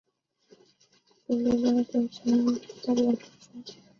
贵州大学前任校长是陈坚。